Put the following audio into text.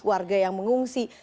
warga yang mengungsi